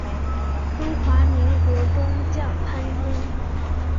中华民国中将参军。